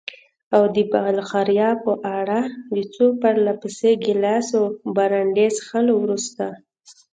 او د بلغاریا په اړه؟ د څو پرله پسې ګیلاسو برانډي څښلو وروسته.